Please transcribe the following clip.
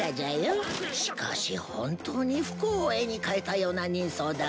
しかし本当に不幸を絵に描いたような人相だわね。